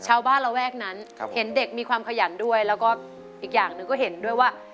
ระแวกนั้นเห็นเด็กมีความขยันด้วยแล้วก็อีกอย่างหนึ่งก็เห็นด้วยว่า